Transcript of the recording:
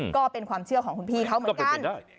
ก็เป็นความเชื่อของคุณพี่เขาเหมือนกัน